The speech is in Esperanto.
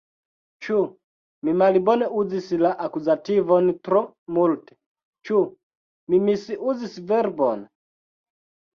Ĉu mi malbone uzis la akuzativon tro multe, Ĉu mi misuzis verbon?